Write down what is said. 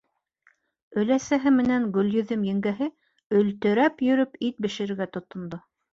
Өләсәһе менән Гөлйөҙөм еңгәһе өлтөрәп йөрөп ит бешерергә тотондо.